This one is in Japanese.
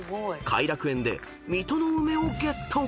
［偕楽園で水戸の梅をゲット］